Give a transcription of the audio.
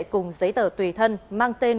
cùng giấy tờ tùy thân mang tên